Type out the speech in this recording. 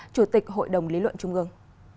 chủ tịch hội đồng lý luận trung ương